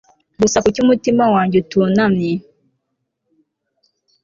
Gusa kuki umutwe wanjye utunamye